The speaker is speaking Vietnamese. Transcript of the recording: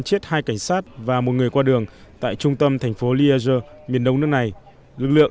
chết hai cảnh sát và một người qua đường tại trung tâm thành phố lyes miền đông nước này lực lượng